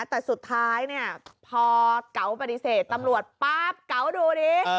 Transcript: แต่สุดท้ายเนี่ยพอเก๋าปฏิเสธตำรวจป๊าบเก๋าดูดิ